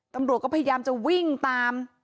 ตำรวจก็พยายามจะวิ่งตาม